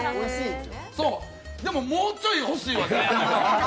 でももうちょい欲しいよね。